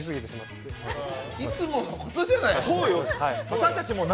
いつものことじゃない！